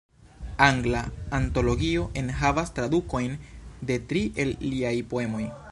Angla Antologio enhavas tradukojn de tri el liaj poemoj.